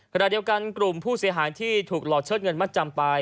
ขณะเดียวกันกลุ่มผู้เสียหายที่ถูกหลอกเชิดเงินมัดจำไป